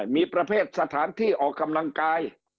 มีประเภทสถานที่ออกกำลังกาย